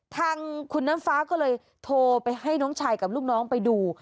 ทางคุณน้ำฟ้าก็เลยโทรไปให้น้องชายกับลูกน้องไปดู